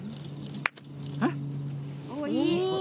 いい。